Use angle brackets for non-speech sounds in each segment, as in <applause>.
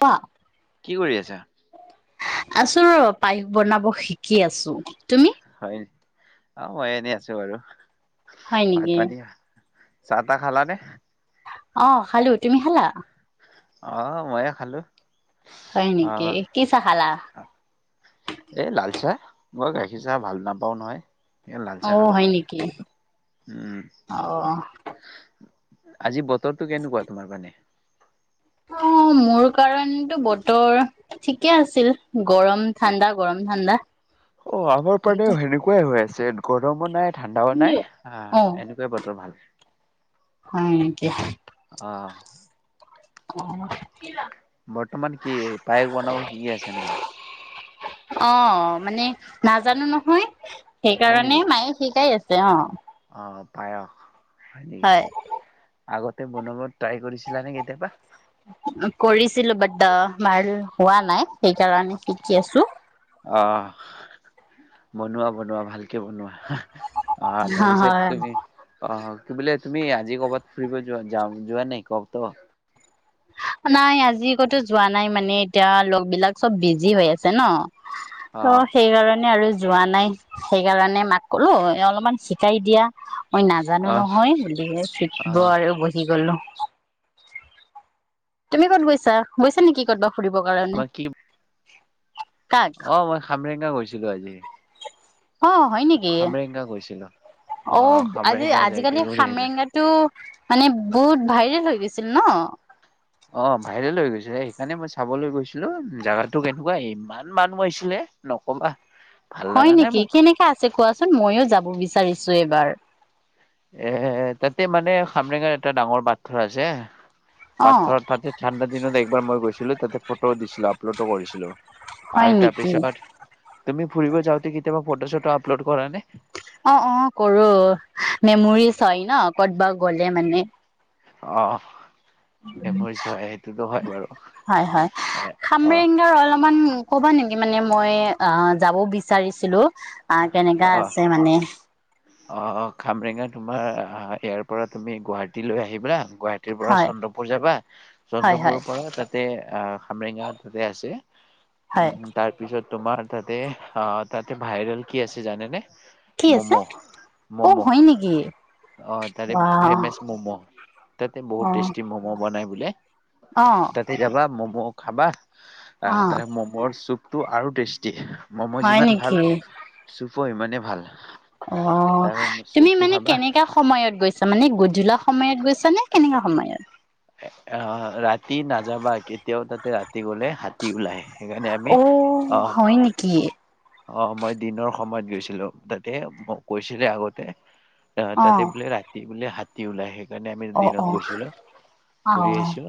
কোৱা কি কৰি আছা? আছো ৰ, পায়স বনাব শিকি আছো, তুমি? হয়। অঁ' মই এনে আছো বাৰু। হয় নেকি। ছাটা খালা নে। অ খালো। তুমি খালা? অ' মইে খালো। হয় অ নেকি? কি চাহ খালা? এই লাল চাহ মই গাখীৰ চাহ ভাল নাপাও নহয়। এ লাল অ চাহ খালো হয় নেকি? উম অহ। আজি বত। উত্তৰটো কেনেকুৱা তোমাৰ মানে? অ' মোৰ কাৰণতো বতৰ ঠিকে আছিল। গৰম-ঠাণ্ডা, গৰম-ঠাণ্ডা। অ' আমাৰ পাণেও সেনেকুৱাই হৈ আছে। যে গৰমো নাই। ঠাণ্ডাও নাই, আ অ এনেকুৱাই বতৰ ভাল। হয় নেকি? অহ' অ' <unintelligible> বৰ্তমান কি পায়স বনাব শিকি আছে নেকি। অ' মানে নাজানো নহয়। হয় নেকি সেইকাৰণে, মায়ে শিকাই আছে। তেওঁ। <unintelligible> অ' পায়স। হয় নেকি? <unintelligible> আগতে বনাব ট্ৰাই কৰিছিলা নে কেতিয়াবা? কৰিছিলো। বাত্তা মোৰ হোৱা নাই। সেইকাৰণে শিকি আছো অ বনোৱা বনোৱা ভাল। বনোৱা আহ হয় তাৰপিছত তুমি আহ কি বোলে তুমি আজি কৰ'বাত ফুৰিব যোৱা য যোৱা নে কত নাই আজি কতো যোৱা নাই মানে এতিয়া লগ বিলাক চব বিজি হৈ আছে। ন আহ ত' সেইকাৰণে আৰু যোৱা নাই সেইকাৰণে মাক ক'লো অলপমান শিকাই দিয়া মই নাজানো আহ নহয় বুলিহে ফুটব আহ আৰু বহি গ'লোঁ তুমি ক'ত বৈছা বৈছা নেকি ক'ত ফুৰিবৰ কাৰণে? মই কি হয় অ মই খামেই কোনে গৈছিলো আজি। খামৰেংগা গৈছিলো। অ অঁ খামৰেঙা যাইকে আজি-আজিকালি ঘূৰি আহিলো খামৰেংগাতো মানে বহুত ভাইৰেল হৈ গৈছিল ন? অ ভাইৰেল হৈ গৈছিল, সেইকাৰণে মই চাবলৈ গৈছিলো জোগাতটো কেনেকুৱা ইমান মানুহ আহিছিলে নকবা। ভাল হয় লগা নাই নেকি মোক কেনেকা আছে কোৱাচোন, মইও যাব বিচাৰি আছো এবাৰ? এ তাতে মানে খামৰেঙাত এটা ডাঙৰ পাথৰ আছে অ পাথৰত তাতে ঠাণ্ডা দিনত একবাৰ মই গৈছিলো তাতে ফটো উঠিছিলো, আপলোডও কৰিছিলো হয় আৰু নেকি তাৰপিছত তুমি ফুৰিব যাওঁতে কেতিয়াবা ফটো চটো আপলোড কৰা নে? অ অ কৰো, মেমৰিজ হয় ন কতবা গ'লে মানে। অহ হয় হয়, অ' খামৰেংগাৰ অলপমান ক'বা নেকি মানে মই অ যাব বিচাৰিছিলো আহ কেনেকা আছে মানে। অ অ, খামৰেংগা তোমাৰ আ ইয়াৰ পৰা তুমি গুৱাহাটী ললৈ আহিবা গুৱাহাটীৰ পৰা হয় চন্দ্ৰপুৰ যাবা, হয় হয় চন্দ্ৰপুৰৰ পৰা তাতে খামৰেংগা তাতে আছে। হয় তাৰ পিছত তোমাৰ তাতে, অ তাতে ভাইৰেল কি আছে জানেনে? কি আছে মম' অ মম', হয় নেকি অঁ তাতে অ ফেমেচ মম' তাতে অ বহুত টেষ্টি মম বনাই বোলে অ তাতে যাবা মম' খাবা অ আহ তাৰে মমৰ চুপ টো আৰু টেষ্টি মম' হয় যিমান ভাল নেকি পোৱা ইমানেই ভাল অ তাৰ তুমি চুপটো মানে খাবা কেনেকা সময়ত গৈছা, মানে গোধূলা সময়ত গৈছা নে? কেনেকা সময় আৰু? অ ৰাতি নাযাবা কেতিয়াও তাতে ৰাতি গলে হাতী ওলাই। সেইকাৰণে আমি অ অ হয় নেকি? অ মই দিনৰ সময়ত গৈছিলো, তাতে মোক কৈছিলে আগতে। অ অ তাতে বোলে ৰাতি বোলে হাত তিউলায় সেইকাৰণে আমি অ অ দিনত গৈছিলো অ ঘূৰি আহিছো,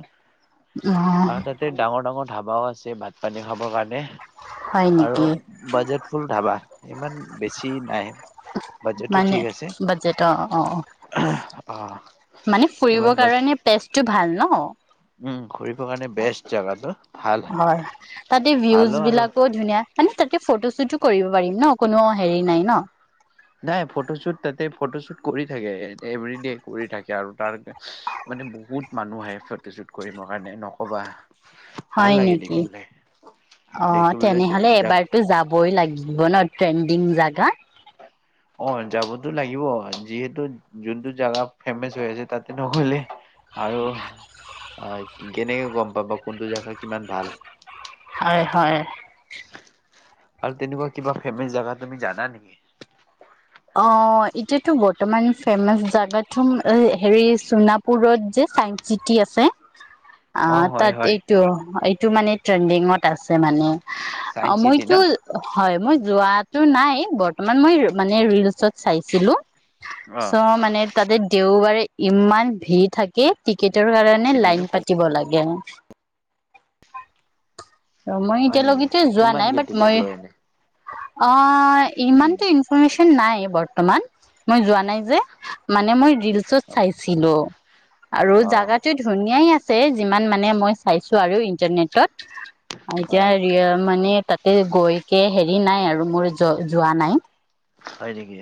অ আৰু তাতে ডাঙৰ ডাঙৰ ধাবাওঁ আছে ভাত পানী খাবৰ কাৰণে হয় নেকি বজেট ফুল ধাবা। ইমান বেছি নাই বাজেটটো মানে ঠিক আছে বাজেট অঁ, অঁ, অঁ, অ মানে ফুৰিব ইমান বাজ কাৰণে পেজটো ভাল। উম ঘুৰি হয়, তাতে ভিউজ ভালো আৰু বিলাকো ধুনীয়া মানে তাতে- ফটো -শ্বুতো কৰিব পাৰিম ন, কোনো হেৰি নাই ন নাই ফটোশ্বুট তাতে ফটোশ্বুট কৰি থাকে, এভিৰিডে কৰি থাকে আৰু তাৰ মানে বহুত মানুহ আহে ফটোশ্বুট কৰিব কাৰণে নকবা। ভাল হয় লাগে নেকি, দেখিবলৈ অঁ দেখিবলৈ তেনেহলে জা এবাৰতো যাবই লাগিব ন ট্ৰেণ্ডিং জ হাঁ অঁ, যাবতো লাগিব যিহেতু যোনটো জোগা ফেমাচ হৈ আছে তাতে নহলে আৰু অঁ, কেনেকৈ গম পাব কোনটো জেগা কিমান ভাল হয় হয়। আৰু তেনেকুৱা কিবা ফেমাচ জোগা তুমি জানা নেকি অঁ, এতিয়াতো বহুত বৰ্তমান ফেমছ জাগাত, প্ৰথম হেৰি চোনাপুৰত যে চাইন্স চিটি আছে অঁ, অ', হয়, তাৰ হয় এইটো টো মানে, ট্ৰেণ্ডিঙত আছে মানে অঁ, চাইন্স চিটি মইতো না হয় মই যোৱাতটো নাই, বৰ্তমান মই মানে ৰিলচত চাইছিলো অ', চ মানে তাতে দেওবাৰ ইমান ভিৰ থাকে টিকেট তাৰ কাৰণে লাইন চিটিটো পাতিব লাগে। মই হয় নেকি এতিয়ালৈকেতো যোৱা নাই কিমানকে বাট টিকেট মই লয় অঁ, এনে? অঁ, উম। ইমানতো নাই বৰ্তমান, মই যোৱা নাই যে মানে মই ৰিলচত চাইছিলো আৰু অ', জাগাটো ধুনিয়াই আছে। ছে, যিমান মানে মই চাইছো আৰু ইন্টাৰনেটত এতিয়া‌ অ', ৰিয়া মানে তাতে গৈকে হেৰি হেৰি নাই আৰু মোৰ য যোৱা নাই। হয়, নেকি।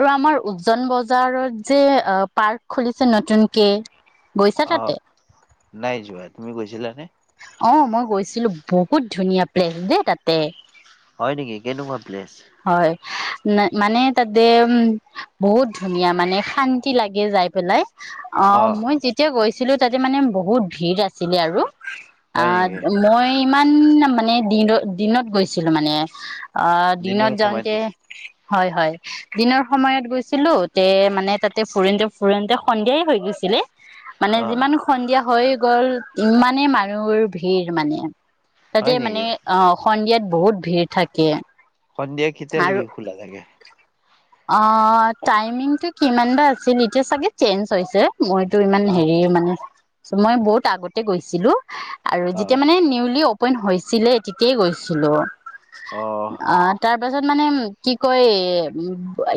আৰু আমাৰ উজ্জন বজাৰত যে পাৰ্ক খুলিছে নতুনকে? গৈছা অ', তাতে? নাই যোৱা তুমি গৈছিলিলা নে? অহ', মই গৈছিলো বহুত ধুনীয়া প্লেচ দেই তাতে। হয়', নেকি কেনেকুৱা প্লেচ? ন, মানে তাতে উম', বহুত ধুনীয়া মানে শান্তি লাগে যাই পেলাই। অহ', অ', মই যেতিয়া গৈছো। ছিলো তাতে মানে বহুত ভিৰ আছিলে আৰু। হয় আহ', নেকি মই ইমান মানে দিনত - দিনত গৈছিলো মানে। অহ ', দিনৰ দিনত সময়ত যাওঁতে গৈছে হয় -হয় দিনৰ সময়ত গৈছিলো তে মানে তাতে ফুৰিনতে-ফুৰিনতে সন্ধিয়াই হৈ গৈছিলে। মানে অ', যিমান সন্ধিয়া হৈ গ'ল ইমান। মানে মানুহ ভিৰ মানে। হয় তাতে মানে নেকি অহ ', সন্ধিয়াত বহুত ভিৰ থাকে। সন্ধিয়া কেতিয়ালৈকে খোলা থাকে? অহ ', টাইমিং টো কিমান বা আছিল এতিয়া চাগে চেঞ্জ হৈছে। মইতো ইমান অ', হেৰি মানে। মই বহুত আগতে গৈছিলো। আৰু যেতিয়া অ', মানে নিউলি। পইন হৈছিলে তেতিয় গৈছিলো। অ', অহ ', তাৰ পাছত মানে কি কয়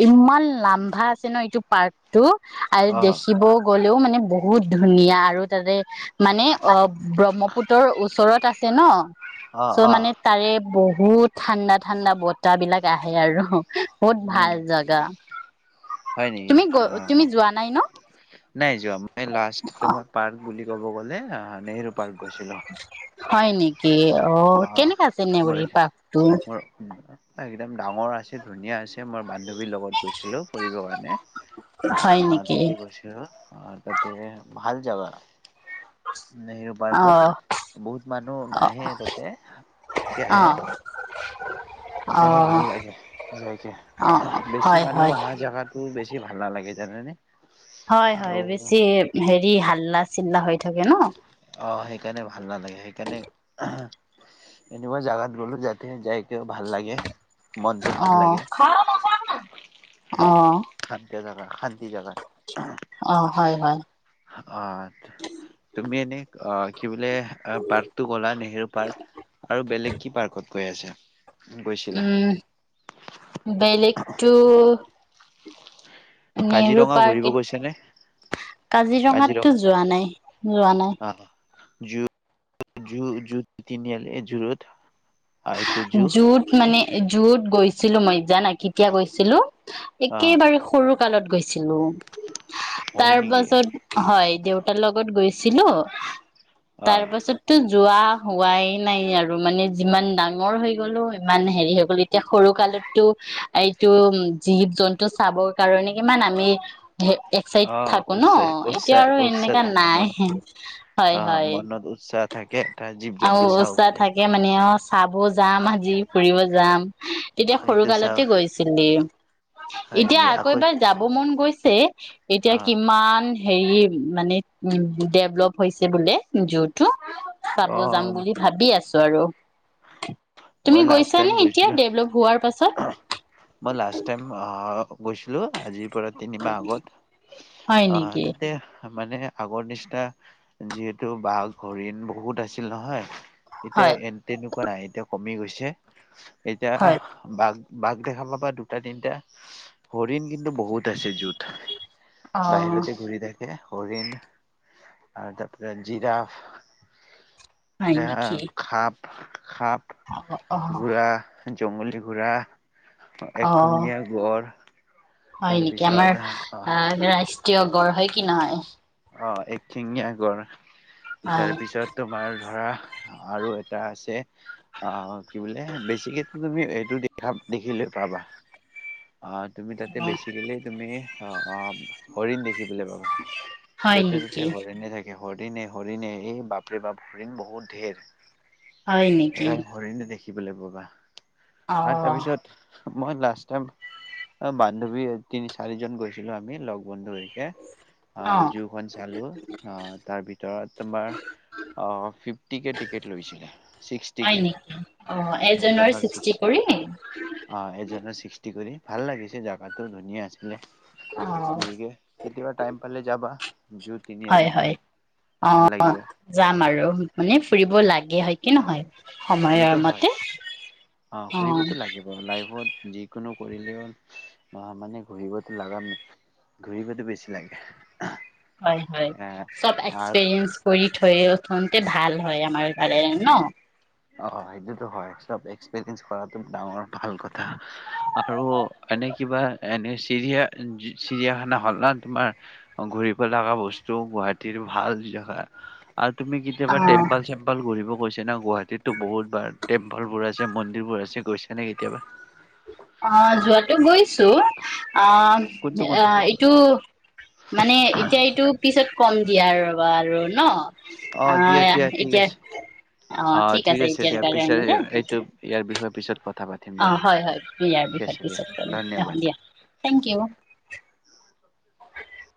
ইমান লাম্ভা আছে ন এইটো পাৰ্ক টো। আৰু অ', দেখিবও গ'ল। ও মানে বহুত ধুনীয়া আৰু তাতে। মানে অহ ', ব্ৰহ্মপুত্ৰৰ ওচৰত আছে ন। অ', চ' অ', মানে তাৰে বহু বহুত ঠাণ্ডা- ঠাণ্ডা বত তা বিলাক আহে আৰু। বহুত উম। ভাল জাগা। হয় নেকি তুমি গ, তুমি অ', যোৱা নাই ন? নাই যোৱা মই লাষ্ট তমাৰ পাৰ্ক বুলি ক'ব গ'লে, অঁ নেহৰপ হয় নেকি? অঁ অ', কেনেকা আছে মোৰ নেওৰী পাক টো? মোৰ একদম ডাঙৰ আছে ধুনীয়া আছে, মই বান্ধৱীৰ লগত গৈছিলো ফুৰিব কাৰণে। হয় অঁ নেকি তাতে গৈছিলো, তাতে ভাল জগা। নেহেৰু পাৰ্কত, অ', বহুত মানুহ অ', নাহে কে, অ', <unintelligible> অ', সেইকাৰণে ভাল লাগে যাইকে, অ', বেছি হয় হয় মানুহ অহা জেগোতু বেছি ভাল নালাগে, জানোনে হয় হয়। বেছি হেৰি হাল্লা চিল্লা হৈ থাকে ন? অঁ সেইকাৰণে ভ ভাল নালাগে, সেইকাৰণে এনেকুৱা জাগাত গলো যাতে যায় তেতিয়া ভাল লাগে, মনটো অ ভাল লাগে। অ খান জাগা, খান্তি জাগাত, অ হয় হয় অঁ তুমি এনে অ‍ঁ কি বোলে পাৰ্কটো গ'লা, নেহেৰু পাৰ্ক আৰু বেলেগ কি পাৰ্কত গৈ আছে? উম বেলেগটো নেহৰু কাজিৰঙা ঘূৰিব পাৰ্ক গৈছা নে কাজিৰঙাটোত কাজিৰঙা যোৱা নাই, যোৱা নাই। অ জু, জু তিনিআলি এ' জুৰোড। আহ এইটো জু জুহত মানে যত গৈছিলো মই জানা কেতিয়া গৈছিলো অ একেবাৰে সৰু কালত গৈছে। হয় তাৰ নেকি পাছত, হয় দেউতাৰ লগত গৈছিলো অ তাৰপাছততো যোৱা হোৱাই নাই আৰু মানে যিমান দাম ডাঙৰ হৈ গলো ইমান হেৰি হৈ গলো এতিয়া সৰু কালততো এইটো জীৱ জন্তু চাবৰ কাৰণে কিমান আমি একচাইড অ থাকো ন, উৎসাহ এতিয়া উৎসাহ আৰু উৎসাহ এনেকা থাকে নাই, মনত হয় অ হয় মনত উৎসাহ থাকে এটা জীৱ আৰু জন্তু চাও উৎসাহ বুলি থাকে মানে চাব যাম আজি ফুৰিব যাম। তেতিয়া সৰু সেইটো চাও কালতে গৈছিলি। হয় এতিয়া নেকি আকৌ এবাৰ যাব মন গৈছে এতিয়া অ কিমান হেৰি মানে উ ডেভলপ হৈছে। বোলে জুহটো। অ চাব যাম বুলি ভাবি আছো। জাই গৈ <unintelligible> মই লাষ্ট টাইম গৈছিলো ডেভলপ হোৱাৰ পাছত মই লাষ্ট টাইম অঁ গৈছিলো আজি পুৰা তিনিমাহ আগত হয় অ নেকি তাতে মানে আগৰ নিচিনা যিহেতু বাঘ হৰিণ বহুত আছিল নহয়। এতিয়া হয় এ তেনেকুৱা কৰা এতিয়া কমি গৈছে। এতিয়া হয় বাঘ বাঘ দেখা পাব দুটা তিনিটা হৰিণ কিন্তু বহুত আছে জুহত অ বাহিৰতে ঘূৰি থাকে। হৰিণ আৰু তাৰপা জিৰাফ হয় এৰা নেকি সাপ সাপ অ অ জংগল দি ঘূৰা। <unintelligible> অ একশিঙীয়া গঁড়। হয় নেকি আমাৰ, অ, ৰাষ্ট্ৰীয়- গঁড় হয় কি নহয়। অ, একশিঙীয়া গঁড়। হয় তাৰপিছত তোমাৰ ধৰা আৰু এটা আছে। অ, কি বোলে বেছিকো তুমি এইটো দেখা দেখিলে পাবা। অ, তুমি তাতে বেছি গ'লে তুমি অ, অ, হৰিণ দেখিবলৈ পাবা। হয় য'তে নেকি ততে হৰিণে থাকে। হৰিণে হৰিণে এই বাপৰে বাপ হৰিণ বহুত ধেৰ। হয় নেকি। দেখিবলৈ পাবা অ আৰু তাৰপিছত মই লাষ্ট টাইম অহ ', বান্ধৱী তিনি চাৰিজন গৈছিলো আমি লগ বন্ধুৰ সৈতে। অ অহ ', জু খন চালো, অহ ', তাৰ ভিতৰত তোমাৰ, অহ ', ফিফ্টিকে টিকট লৈছিলে, হয় ছিক্সটিকে। নেকি অ এজনৰ ছিক্স, ছিক্সটি কৰি অহ ', এজনৰ ছিক্সটি কৰি। ভাল লাগিছে জাগাতটো ধুনীয়া আছি লে, অ গৰিকে কেতিয়াবা টাইম পালে যাবা। জু তিনিআলি হয় -হয়, ভাল অহ লাগিব ', যাম আৰু মানে ফুৰিব লাগে হয় কি নহয়। সময়ৰ সেইটোতো হয়। মতে অহ ', অ ফুৰিবতো লাগিব লাইফত যিকোনো কৰিলেও, অহ ', মানে ঘূৰিবতো লাগা, ঘূৰিবতো বেছি লাগে। হয়- হয়, এ চব আৰ্ট এক্সপিৰিয়েন্স কৰি থৈও <unintelligible> ভাল হয় আমাৰ কাৰণে ন। অহ ', সেইটোতো হয় চব এক্সপিৰিয়েন্স কৰা ডাঙৰ ভাল কথা, আৰু এনে কিবা এনে চিৰিয়া - চিৰিয়াখানা হ'ল ন তোমাৰ, ঘূৰিব লগা বস্তু গুৱাহীৰ ভাল জাগা। আৰু তুমি অ কেতিয়াবা টেম্পল-চেম্পল ঘূৰিব <unintelligible> নে গুৱা বহুত বাৰ টেম্পলবোৰে মন্দিৰবোৰ আছে গৈছ অহ ', যোৱাতটো গৈছো। <unintelligible> অহ কোনটো ', কোনটো আহ', এইটো। মানে এতিয়া এইটো পিছত। কম দিয়া আৰু ৰবা আৰু ন। অহ অ ', দিয়া- দিয়া ঠিক এতিয়া আছে অহ ', ঠিক আছে দিয়া পিছে এইটো ইয়াৰ বিষয়ে পিছত কথা। পাতিম অহ দিয়া ', হয়- হয় বিয়াৰ ঠিক বিষাৰ আছে দিয়া পিছত অহ ', ধন্যবাদ দিয়া থেংক ইউ। <inaudible>